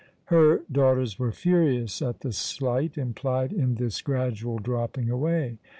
Her daughters were furious at the slight implied in this gradual dropping away.